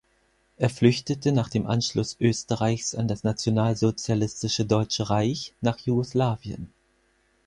Er flüchtete nach dem Anschluss Österreichs an das nationalsozialistische Deutsche Reich nach Jugoslawien.